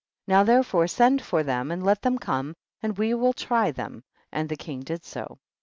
31. Now therefore send for them, and let them come and we will try them, and the king did so.